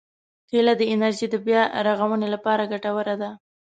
کېله د انرژي د بیا رغونې لپاره ګټوره ده.